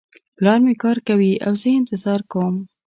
پلار مې کار کوي او زه یې انتظار کوم